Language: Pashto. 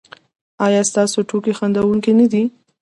ایا ستاسو ټوکې خندونکې نه دي؟